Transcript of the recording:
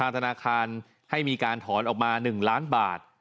ธนาคารให้มีการถอนออกมา๑ล้านบาท